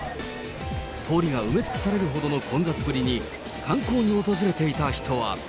通りが埋め尽くされるほどの混雑ぶりに、観光に訪れていた人は。